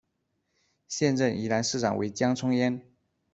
现任宜兰市长为江聪渊。